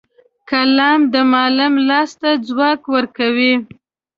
قلم د معلم لاس ته ځواک ورکوي